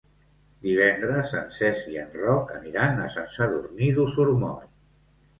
Divendres en Cesc i en Roc aniran a Sant Sadurní d'Osormort.